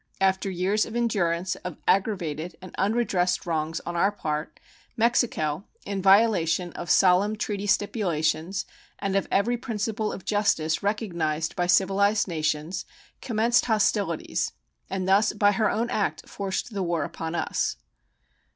After years of endurance of aggravated and unredressed wrongs on our part, Mexico, in violation of solemn treaty stipulations and of every principle of justice recognized by civilized nations, commenced hostilities, and thus by her own act forced the war upon us.